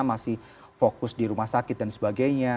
masih fokus di rumah sakit dan sebagainya